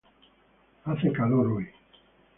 Hace calor hoy.